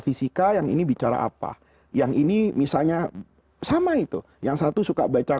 fisika yang ini bicara apa yang ini misalnya sama itu yang satu suka baca